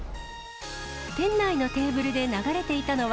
店内のテーブルで流れていたのは、